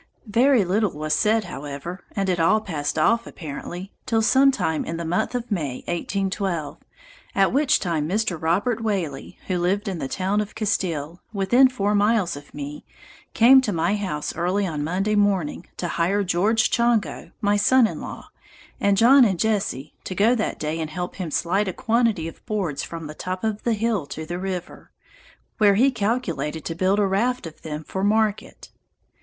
Very little was said, however, and it all passed off, apparently, till sometime in the month of May, 1812, at which time Mr. Robert Whaley, who lived in the town of Castile, within four miles of me, came to my house early on Monday morning, to hire George Chongo, my son in law, and John and Jesse, to go that day and help him slide a quantity of boards from the top of the hill to the river, where he calculated to build a raft of them for market.